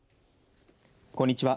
こんにちは。